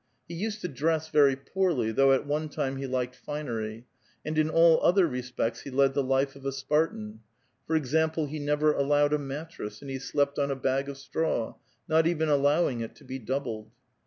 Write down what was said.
He used to dress very poorly, though xt one time he liked finery ; and in all other respects he led bhe life of a Spartan ; for example, he never allowed a mattress, and he slept on a bag of straw, not even allowing it to be doubled.